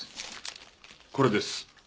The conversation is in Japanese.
これです。